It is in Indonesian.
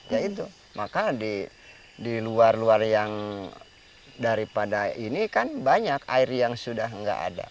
ya itu maka di luar luar yang daripada ini kan banyak air yang sudah nggak ada